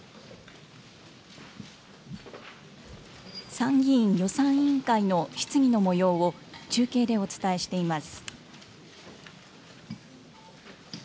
参議院予算委員会の質疑のもようを、中継でお伝えしています。